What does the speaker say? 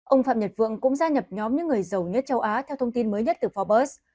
ông phạm nhật vượng cũng gia nhập nhóm những người giàu nhất châu á theo thông tin mới nhất từ forbes